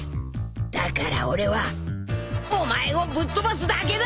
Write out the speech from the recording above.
だから俺はお前をぶっ飛ばすだけだ！